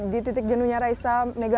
di titik jenuhnya raisa